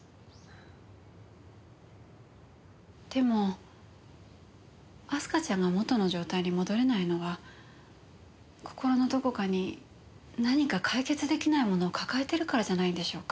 でも明日香ちゃんが元の状態に戻れないのは心のどこかに何か解決出来ないものを抱えてるからじゃないんでしょうか？